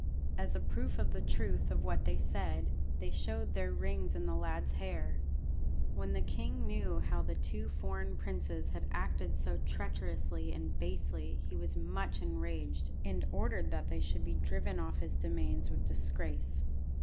As a proof of the truth of what they said, they showed their rings in the lad's hair. When the king knew how the two foreign princes had acted so treacherously and basely he was much enraged, and ordered that they should be driven off his demesnes with disgrace.